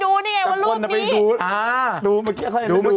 โอ๊ยพี่ดมโอ๊ย